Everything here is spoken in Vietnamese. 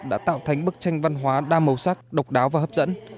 đã tạo thành bức tranh văn hóa đa màu sắc độc đáo và hấp dẫn